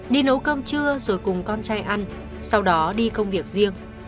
đi nấu cơm trưa rồi cùng con trai ăn sau đó đi công việc riêng